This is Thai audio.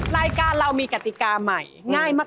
รายการเรามีกติกาใหม่ง่ายมาก